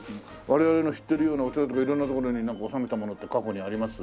我々の知ってるようなお寺とか色んな所に納めたものって過去にあります？